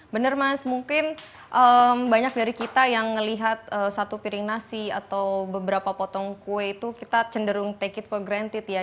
bener mas mungkin banyak dari kita yang melihat satu piring nasi atau beberapa potong kue itu kita cenderung take it for granted ya